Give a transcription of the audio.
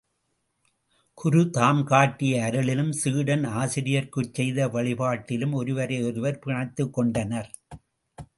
குரு தாம் காட்டிய அருளிலும், சீடன் ஆசிரியர்க்குச் செய்த வழிபாட்டிலும் ஒருவரை ஒருவர் பிணைத்துக் கொண்டனர்.